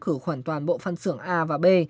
khử khuẩn toàn bộ phân xưởng a và b